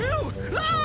わあ！